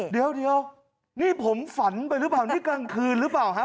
เดี๋ยวนี่ผมฝันไปหรือเปล่านี่กลางคืนหรือเปล่าครับ